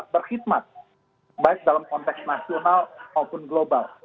berkhidmat baik dalam konteks nasional maupun global